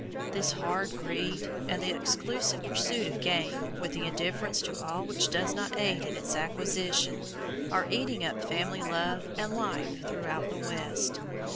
This hard greed, and the exclusive pursuit of gain, with the indifference to all which does not aid in its acquisition, are eating up family love and life throughout the West.